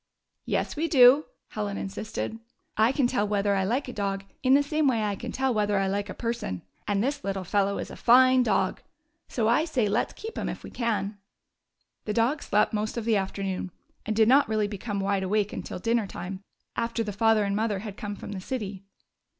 "Yes, we do," Helen insisted. "I can tell whether I like a dog in the same way I can tell whether I like a person. And this little fellow is a fine dog. So I say let 's keep him if we can." The dog slept most of the afternoon, and did not really become wideawake until dinner time, after the father and mother had come from the city.